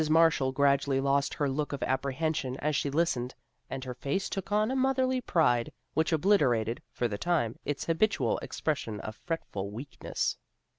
Marshall gradually lost her look of apprehension as she listened, and her face took on a motherly pride, which obliterated, for the time, its habitual expression of fretful weakness.